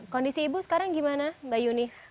kondisi ibu sekarang gimana mbak yuni